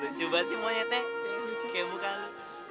lucu banget sih monyetnya kayak muka lo